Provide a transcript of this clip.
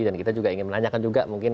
dan kita juga ingin menanyakan juga mungkin